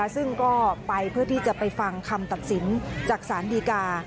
ซึ่งก็ไปเพื่อที่จะไปฟังคำตัดสินจากสารดีกา